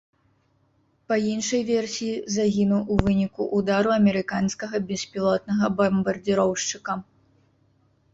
Па іншай версіі, загінуў у выніку ўдару амерыканскага беспілотнага бамбардзіроўшчыка.